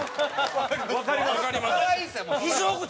わかります。